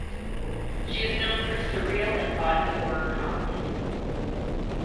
She is known for surreal and body horror comedy.